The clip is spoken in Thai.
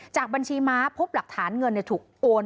จากบัญชีม้าพบหลักฐานเงินถูกโอน